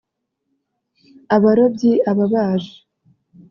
abarobyi ababaji